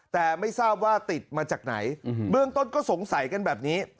แต่ไม่ทราบว่าติดมาจากไหนเบื้องต้นก็สงสัยกันแบบนี้